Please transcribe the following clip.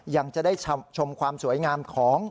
ยังจะได้ชมความสวยงามของ